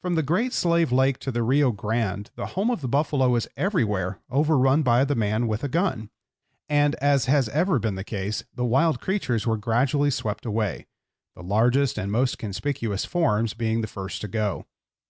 From the Great Slave Lake to the Rio Grande the home of the buffalo was everywhere overrun by the man with a gun; and, as has ever been the case, the wild creatures were gradually swept away, the largest and most conspicuous forms being the first to go.